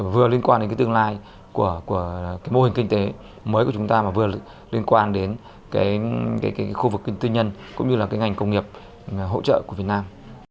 vừa liên quan đến cái tương lai của cái mô hình kinh tế mới của chúng ta và vừa liên quan đến cái khu vực tư nhân cũng như là cái ngành công nghiệp hỗ trợ của việt nam